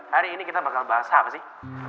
hari ini kita bakal bahasa apa sih